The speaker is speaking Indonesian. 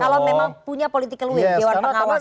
kalau memang punya political will dewan pengawas